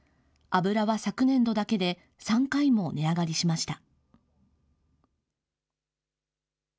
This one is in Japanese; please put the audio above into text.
油は昨年度だけで３回も値上がりしました。